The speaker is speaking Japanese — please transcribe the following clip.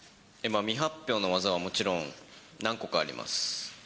未発表の技はもちろん何個かあります。